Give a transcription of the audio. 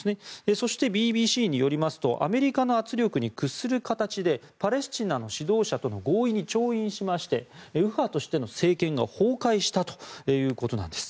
そして、ＢＢＣによりますとアメリカの圧力に屈する形でパレスチナの指導者との合意に調印しまして右派としての政権が崩壊したということなんです。